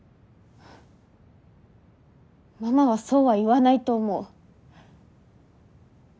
ママはそうは言わないと思う。